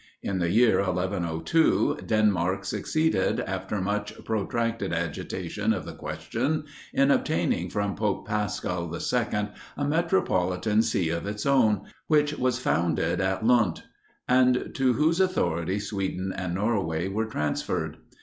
In the year 1102, Denmark succeeded, after much protracted agitation of the question, in obtaining from Pope Paschal II., a metropolitan see of its own, which was founded at Lund; and to whose authority Sweden and Norway were transferred.